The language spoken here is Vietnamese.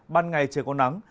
ban ngày trời có nắng